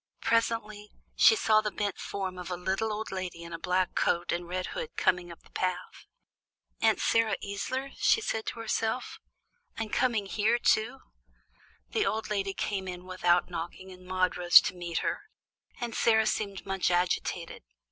Presently she saw the bent form of a little old lady in a black coat and red hood coming up the path. "Aunt Sarah Easler," she said to herself, "and coming here, too." The old lady came in without knocking and Maude rose to meet her. Aunt Sarah seemed much agitated.